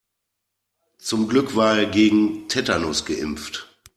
Zum Glück war er gegen Tetanus geimpft.